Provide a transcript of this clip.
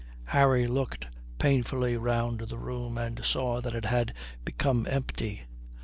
Harry looked painfully round the room and saw that it had become empty.